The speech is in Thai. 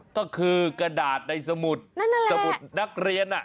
ก็คือกระดาษในสมุดสมุดนักเรียน